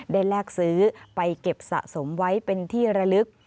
แลกซื้อไปเก็บสะสมไว้เป็นที่ระลึก